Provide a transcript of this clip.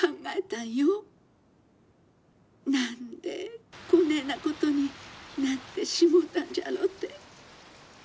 何でこねえなことになってしもうたんじゃろうって。